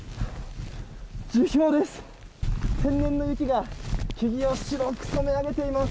樹氷です。